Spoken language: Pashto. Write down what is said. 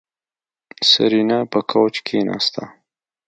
سېرېنا په کوچ کېناسته.